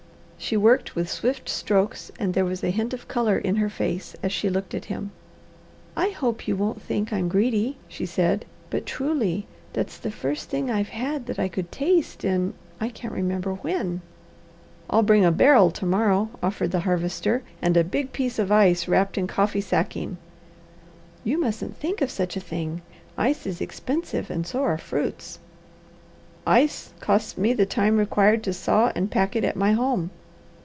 She worked with swift strokes and there was a hint of colour in her face, as she looked at him. "I hope you won't think I'm greedy," she said, "but truly, that's the first thing I've had that I could taste in I can't remember when." "I'll bring a barrel to morrow," offered the Harvester, "and a big piece of ice wrapped in coffee sacking." "You mustn't think of such a thing! Ice is expensive and so are fruits." "Ice costs me the time required to saw and pack it at my home.